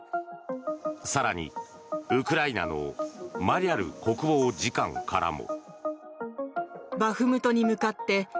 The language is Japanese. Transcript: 更に、ウクライナのマリャル国防次官からも。